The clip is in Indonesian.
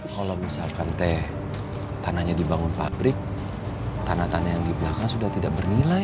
kalau misalkan teh tanahnya dibangun pabrik tanah tanah yang di belakang sudah tidak bernilai